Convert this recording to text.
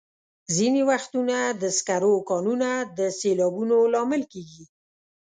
ځینې وختونه د سکرو کانونه د سیلابونو لامل کېږي.